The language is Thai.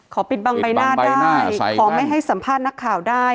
ปิดบังใบหน้าได้ขอไม่ให้สัมภาษณ์นักข่าวได้